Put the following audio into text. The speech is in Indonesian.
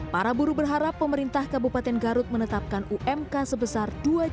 para buruh berharap pemerintah kabupaten garut menetapkan umk sebesar rp dua dua ratus